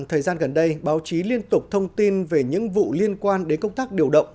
thời gian gần đây báo chí liên tục thông tin về những vụ liên quan đến công tác điều động